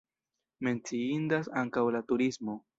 Menciindas ankaŭ la turismo.